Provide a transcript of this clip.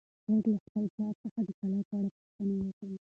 سعید له خپل پلار څخه د کلا په اړه پوښتنه وکړه.